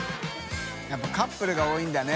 笋辰カップルが多いんだね。